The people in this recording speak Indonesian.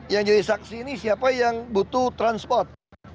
yang jadi saksi ini siapa yang butuh transport